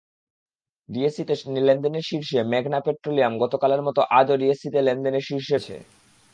ডিএসইতে লেনদেনে শীর্ষে মেঘনা পেট্রোলিয়ামগতকালের মতো আজও ডিএসইতে লেনদেনে শীর্ষে রয়েছে মেঘনা পেট্রোলিয়াম।